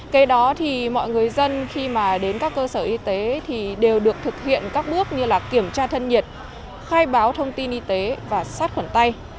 kể đó mọi người dân khi đến các cơ sở y tế đều được thực hiện các bước như kiểm tra thân nhiệt khai báo thông tin y tế và sát khuẩn tay